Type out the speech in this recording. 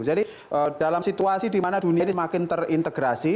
jadi dalam situasi di mana dunia ini semakin terintegrasi